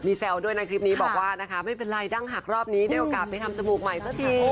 แซวด้วยนะคลิปนี้บอกว่านะคะไม่เป็นไรดั้งหักรอบนี้ได้โอกาสไปทำจมูกใหม่สักที